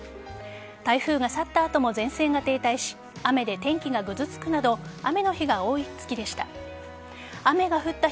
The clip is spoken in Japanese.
台風が去った後も前線が停滞し雨で天気がぐずつくなど雨の日が多い月でした。